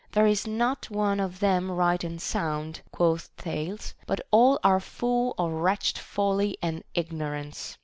There is not one of them right and sound, quoth Thales, but all are full of wretched folly and ignorance.